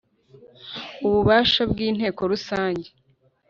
Ububasha bw inteko rusange